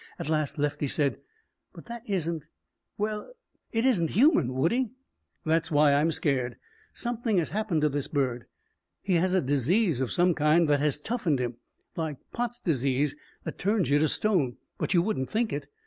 At last Lefty said: "But that isn't well it isn't human, Woodie." "That's why I'm scared. Something has happened to this bird. He has a disease of some kind that has toughened him. Like Pott's disease, that turns you to stone. But you wouldn't think it.